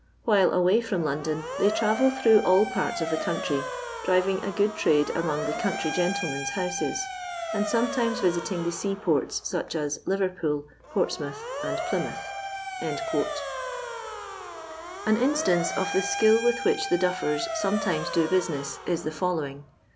While away from London, they travel through all parts of the country, driving a good trade among the coun try gentlemen's houses; and sometimes visiting the seaports, such as Liverpool, Portsmouth, and Plymouth." An instance of the skill with which the duffers sometimes do business, is the following.